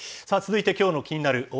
さあ、続いて、きょうのキニナル！